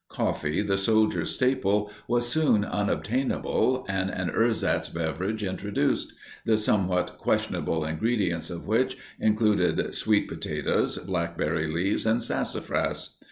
Coffee, the soldier's staple, was soon unobtainable and an ersatz beverage introduced, the somewhat questionable ingredients of which included sweet potatoes, blackberry leaves, and sassafras.